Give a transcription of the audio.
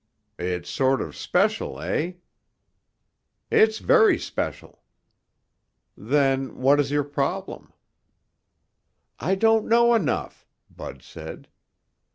"It's sort of special, eh?" "It's very special." "Then what is your problem?" "I don't know enough," Bud said.